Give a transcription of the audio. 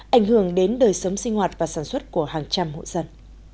ảnh hưởng đến đời sống sinh hoạt và sản xuất của hàng trăm hộ dân